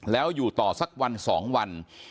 แล้วอยู่ต่อสักวัน๒วัน